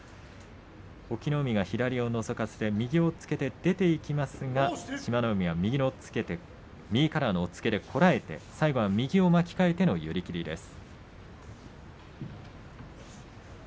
隠岐の海、左をのぞかせ右押っつけで出ていきますが志摩ノ海右からの押っつけでこらえて最後は右を巻き替えての寄り切りでした。